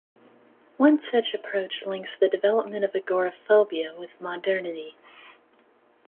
One such approach links the development of agoraphobia with modernity.